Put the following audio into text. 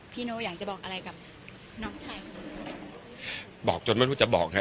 พี่โน้อยากจะบอกอะไรกับน้องใช่บอกจนไม่รู้จะบอกไง